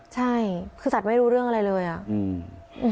ใช่คือสัตว์ไม่รู้เรื่องอะไรเลยอ่ะอืม